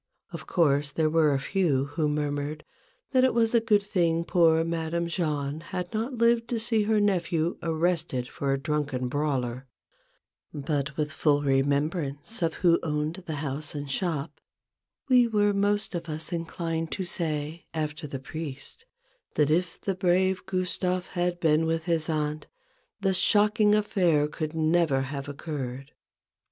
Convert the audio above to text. Of course there were a few who murmured, that it was a good thing poor Madame Jahn had not lived to see her nephew arrested for a drunken brawler ; but with full remembrance of who owned the house and shop, we were most of us inclined to say, after the priest : That if the brave Gustave had been with THE BUSINESS OF MADAME JAHN. gi his aunt, the shocking affair could never have occurred.